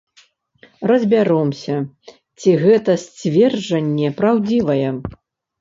Разбяромся, ці гэта сцверджанне праўдзівае.